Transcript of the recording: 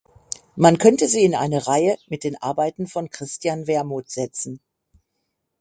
Man könnte sie in eine Reihe mit den Arbeiten von Christian Wermuth setzen.